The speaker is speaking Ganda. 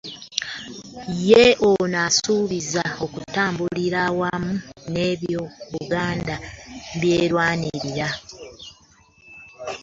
Ye ono asuubizza okutambulira awamu n'ebyo Buganda by'erwanirira